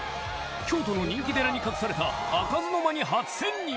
京都の人気寺に隠された開かずの間に初潜入！